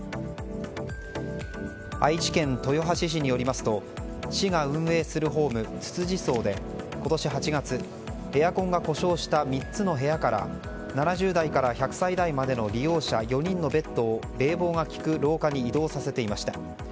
愛知県豊橋市によりますと市が運営するホーム、つつじ荘で今年８月、エアコンが故障した３つの部屋から７０代から１００歳代までの利用者４人のベッドを冷房が利く廊下に移動させていました。